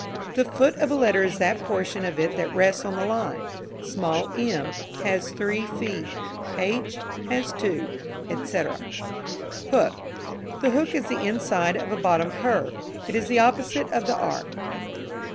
_ The foot of a letter is that portion of it that rests on the line. Small m has three feet, h has two, etc. Hook. The hook is the inside of a bottom curve. It is the opposite of the arc.